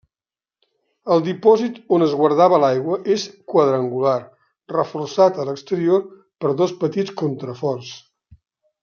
El dipòsit on es guardava l'aigua és quadrangular, reforçat a l'exterior per dos petits contraforts.